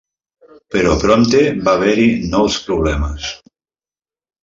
Però prompte va haver-hi nous problemes.